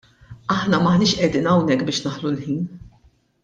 Aħna m'aħniex qegħdin hawnhekk biex naħlu l-ħin.